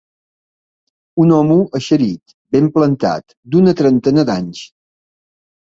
Un home eixerit, ben plantat, d'una trentena d'anys